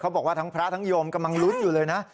บอกว่าทั้งพระทั้งโยมกำลังลุ้นอยู่เลยนะ